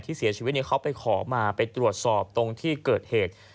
เสียชีวิตเขาไปขอมาไปตรวจสอบตรงที่เกิดเหตุ